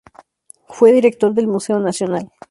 Fue director del Museo Nacional.